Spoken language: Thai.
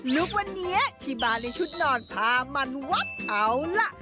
ลูกวันเนี้ยที่มาในชุดนอนพามันว๊ะเอาล่ะ